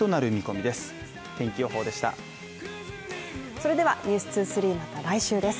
それでは「ｎｅｗｓ２３」また来週です。